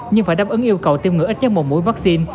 nhưng phải đáp ứng yêu cầu tiêm ngừa ít nhất một mũi vaccine